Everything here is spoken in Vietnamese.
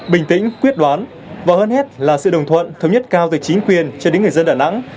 bình tĩnh quyết đoán và hơn hết là sự đồng thuận thống nhất cao từ chính quyền cho đến người dân đà nẵng